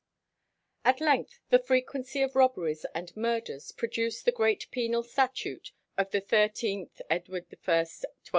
At length the frequency of robberies and murders produced the great penal statute of the 13 Edward I (1287).